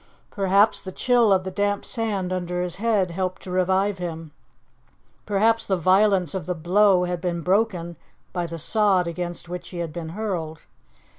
Perhaps the chill of the damp sand under his head helped to revive him; perhaps the violence of the blow had been broken by the sod against which he had been hurled.